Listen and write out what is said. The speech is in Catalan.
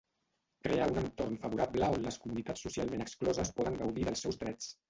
Crear un entorn favorable on les comunitats socialment excloses poden gaudir dels seus drets.